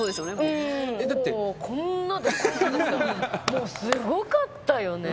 もうすごかったよね。